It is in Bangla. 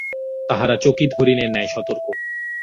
তাহারা চকিত হরিণের ন্যায় সতর্ক।